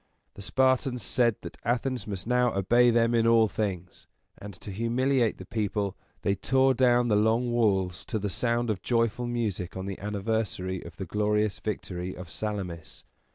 The Spartans said that Athens must now obey them in all things; and, to humiliate the people, they tore down the Long Walls to the sound of joyful music on the anniversary of the glorious victory of Salamis.